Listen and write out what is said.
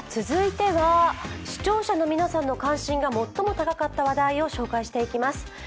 続いては視聴者の皆さんの関心が最も高かった話題を紹介していきます。